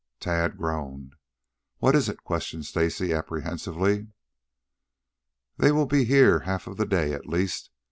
Tad groaned. "What is it?" questioned Stacy apprehensively. "They will be here half of the day at least.